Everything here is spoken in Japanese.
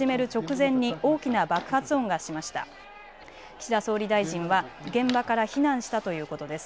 岸田総理大臣は現場から避難したということです。